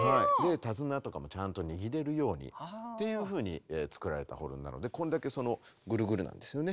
手綱とかもちゃんと握れるようにっていうふうに作られたホルンなのでこんだけそのぐるぐるなんですよね。